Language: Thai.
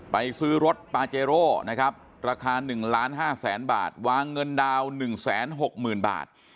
ไปซื้อรถปาเจโร่นะครับราคา๑๕๐๐๐๐บาทวางเงินดาวน๑๖๐๐๐บาท